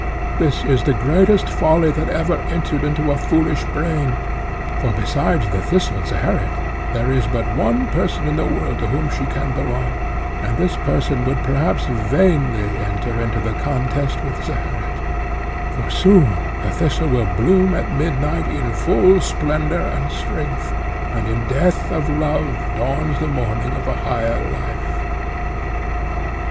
This is the greatest folly that ever entered into a foolish brain, for, besides the Thistle, Zeherit, there is but one person in the world to whom she can belong, and this person would perhaps vainly enter into the contest with Zeherit. For soon the Thistle will bloom at midnight in full splendour and strength, and in the death of love dawns the morning of a higher life.